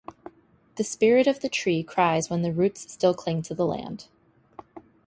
The spirit of the tree cries while the roots still cling to the land.